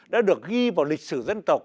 đã được ghi vào lịch sử dân tộc